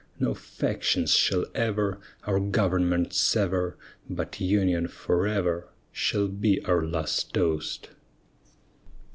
No factions shall ever Our government sever, But "Union forever," Shall be our last toast.